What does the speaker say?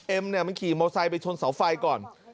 เอมนี่ขี่มอเซ้าไปชนเสียงฝ่ายก่อน